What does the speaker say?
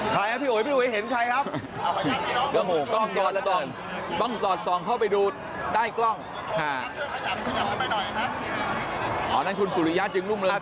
ใครพี่อุ๋ไม่อุ๋เห็นใครครับ